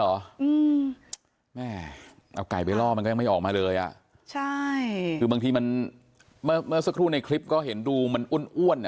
อืมแม่เอาไก่ไปล่อมันก็ยังไม่ออกมาเลยอ่ะใช่คือบางทีมันเมื่อเมื่อสักครู่ในคลิปก็เห็นดูมันอ้วนอ้วนอ่ะ